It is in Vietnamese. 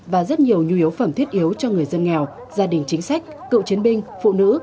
và rất nhiều nhu yếu phẩm thiết yếu cho người dân nghèo gia đình chính sách cựu chiến binh phụ nữ